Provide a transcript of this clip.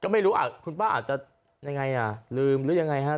ไม่รู้คุณป้าอาจจะยังไงอ่ะลืมหรือยังไงฮะ